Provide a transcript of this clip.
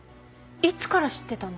いつから知ってたの？